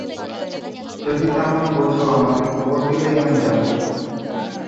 যদি তেমন বোঝ আমাকে খবর দিলেই আমি যাব।